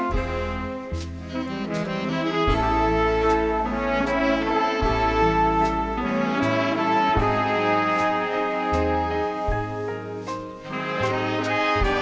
ชีวิตของเธอ